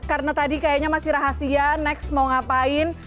karena tadi kayaknya masih rahasia next mau ngapain